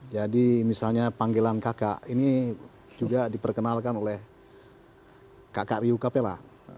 jadi misalnya panggilan kakak ini juga diperkenalkan oleh kakak rio capella